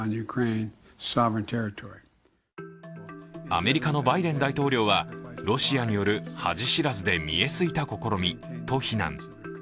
アメリカのバイデン大統領はロシアによる恥知らずで見え透いた試みと非難。